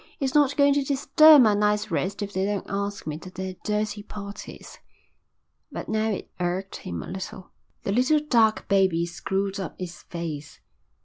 "It's not going to disturb my night's rest if they don't ask me to their dirty parties." But now it irked him a little. The little dark baby screwed up its face.